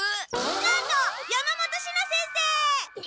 なんと山本シナ先生！